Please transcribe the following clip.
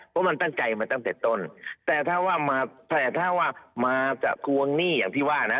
เพราะมันตั้งใจมาตั้งแต่ต้นแต่ถ้าว่ามาจะทวงหนี้อย่างพี่ว่านะ